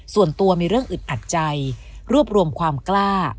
ส่วนตัวมีเรื่องอึดอัดใจรวบรวมความกล้า